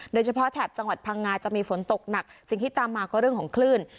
แถบจังหวัดพังงาจะมีฝนตกหนักสิ่งที่ตามมาก็เรื่องของคลื่น